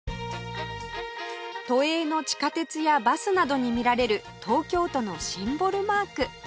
都営の地下鉄やバスなどに見られる東京都のシンボルマーク